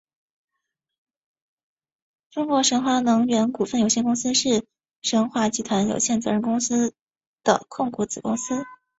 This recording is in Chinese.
中国神华能源股份有限公司是神华集团有限责任公司的控股子公司。